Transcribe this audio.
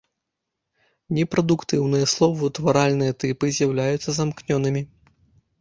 Непрадуктыўныя словаўтваральныя тыпы з'яўляюцца замкнёнымі.